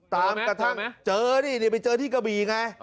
ตามกระทั่งเจอนี่นี่ไปเจอที่กะบีไงอ๋อ